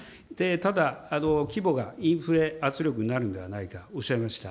ただ、規模がインフレ圧力になるのではないか、おっしゃいました。